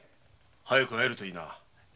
早く会えるといいな。